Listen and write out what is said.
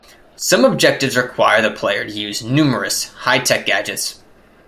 Some objectives require the player to use numerous high-tech gadgets.